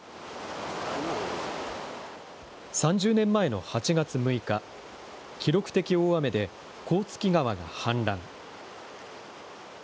３０年前の８月６日、記録的大雨で甲突川が氾濫。